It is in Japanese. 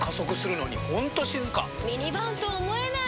ミニバンと思えない！